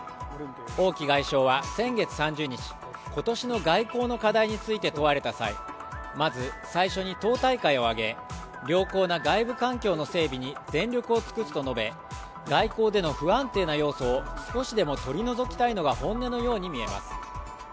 王毅外相は先月３０日、今年の外交の課題について問われた際、まず最初に党大会を挙げ、良好な外部環境の整備に全力を尽くすと述べ、外交での不安定な要素を少しでも取り除きたいのが本音のように見えます。